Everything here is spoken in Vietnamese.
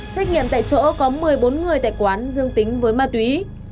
xét nghiệm tại chỗ có một mươi bốn người tại quán dương tính với ma túy